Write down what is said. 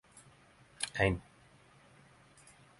Ein